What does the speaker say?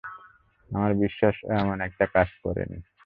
আমার বিশ্বাস ও এমন একটা কাজ করেনি।